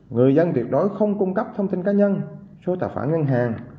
người dân tuyệt đối không cung cấp thông tin cá nhân số tài khoản ngân hàng